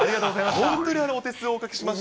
本当にお手数をおかけしまし